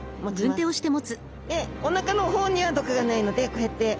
でおなかの方には毒がないのでこうやって。